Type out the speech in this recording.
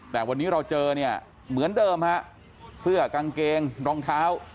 แต่วันนี้เราเจอเนี่ยเหมือนเดิมฮะเสื้อกางเกงรองเท้า